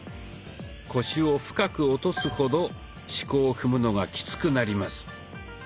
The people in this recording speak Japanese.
腰を深く落とすほど四股を踏むのがきつくなります。